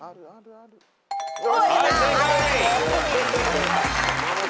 はい正解。